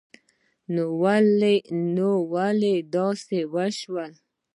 نو ولی داسی وشول